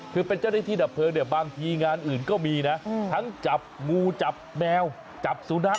คือเป็นเจ้าหน้าที่ดับเพลิงเนี่ยบางทีงานอื่นก็มีนะทั้งจับงูจับแมวจับสุนัข